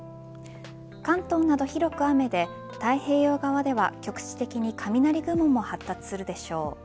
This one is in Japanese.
関東など広く雨で太平洋側では局地的に雷雲も発達するでしょう。